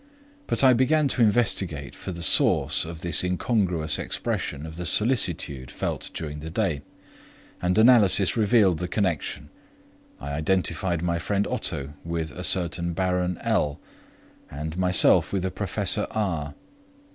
But I began to investigate for the source of this incongruous expression of the solicitude felt during the day, and analysis revealed the connection. I identified my friend Otto with a certain Baron L. and myself with a Professor R.